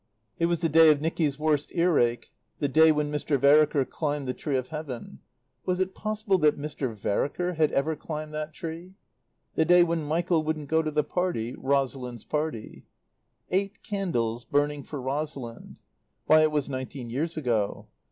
It was the day of Nicky's worst earache, the day when Mr. Vereker climbed the tree of Heaven was it possible that Mr. Vereker had ever climbed that tree? the day when Michael wouldn't go to the party Rosalind's birthday. Eight candles burning for Rosalind. Why, it was nineteen years ago.